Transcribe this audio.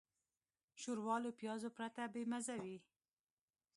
ښوروا له پیازو پرته بېمزه وي.